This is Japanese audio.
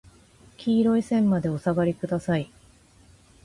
黄色い線までお下りください。